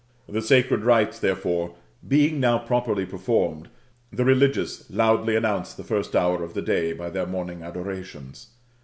The sacred rites, tho^efore, being now properly performed, the religious loudly announced the first hour of the day by their morning adorations.